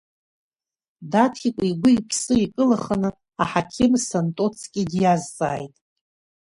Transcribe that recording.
Даҭикәа игәы иԥсы икылаханы аҳақьым Сантоцки диазҵааит.